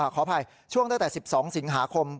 ขออภัยช่วงตั้งแต่๑๒สิงหาคม